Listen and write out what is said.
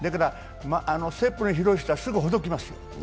ステップの広い人はすぐほどけます。